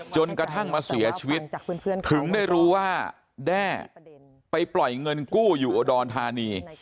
จนกระทั่งมาเสียชีวิตถึงได้รู้ว่าแด้ไปปล่อยเงินกู้อยู่อุดรธานี